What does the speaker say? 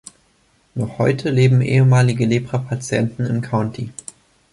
Noch heute leben ehemalige Lepra-Patienten im County.